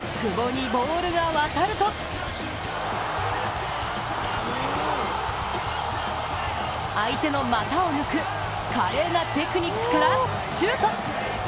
前半３７分、久保にボールが渡ると相手の股を抜く華麗なテクニックからシュート。